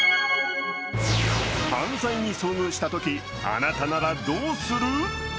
犯罪に遭遇したとき、あなたならどうする？